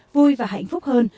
vui và hạnh phúc hơn